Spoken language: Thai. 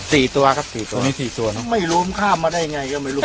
สี่ตัวครับสี่ตัวนี้สี่ตัวเนอะไม่รู้มันข้ามมาได้ยังไงก็ไม่รู้